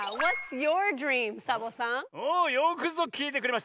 およくぞきいてくれました！